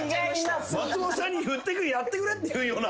松本さんにふってくれやってくれっていうような。